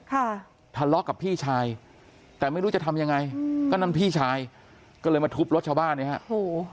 ค่ะทะเลาะกับพี่ชายแต่ไม่รู้จะทำยังไงอืมก็นั่นพี่ชายก็เลยมาทุบรถชาวบ้านเนี่ยฮะโอ้โห